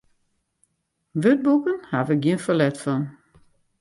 Wurdboeken haw ik gjin ferlet fan.